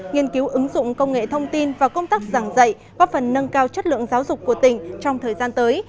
nghiên cứu ứng dụng công nghệ thông tin và công tác giảng dạy góp phần nâng cao chất lượng giáo dục của tỉnh trong thời gian tới